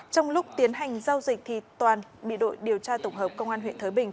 trong lúc tiến hành giao dịch toàn bị đội điều tra tổng hợp công an huyện thới bình